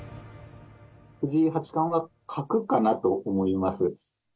藤井八冠は角かなと思います。